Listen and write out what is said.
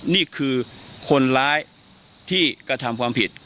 นี่คือคนร้ายที่กระทำความผิด